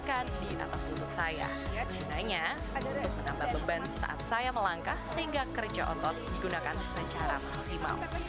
gunanya untuk menambah beban saat saya melangkah sehingga kerja otot digunakan secara maksimal